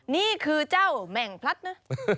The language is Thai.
นี่คือเจ้าแหม่งพลัดนะ